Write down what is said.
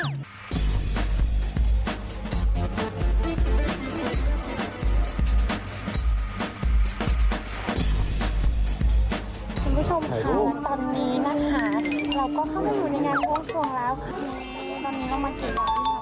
คุณผู้ชมค่ะตอนนี้นะคะเราก็เข้ามาอยู่ในนางวงสูงตอนนี้ต้องมาเกะกะเอามาเล่า